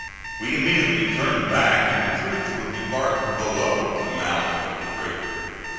We immediately turned back, and the troops were debarked below the mouth of the creek.